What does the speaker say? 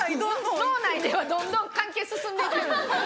脳内ではどんどん関係進んで行ってる。